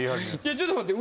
ちょっと待って。